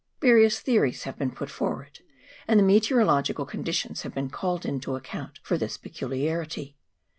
Various theories have been put forward, and the meteorological conditions have been called in to account for this peculiarity.